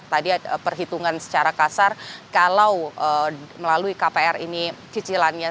tadi perhitungan secara kasar kalau melalui kpr ini cicilannya